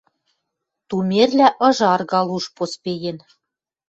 Тумерлӓ ыжаргал уж поспеен.